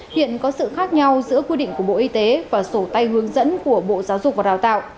hiện có sự khác nhau giữa quy định của bộ y tế và sổ tay hướng dẫn của bộ giáo dục và đào tạo